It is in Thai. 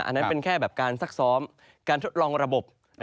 อันนั้นเป็นแค่แบบการซักซ้อมการทดลองระบบ